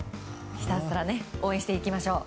ひたすら応援していきましょう。